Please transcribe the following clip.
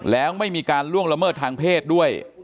แล้วไม่มีการล่วงละเมิดทางเพศด้วย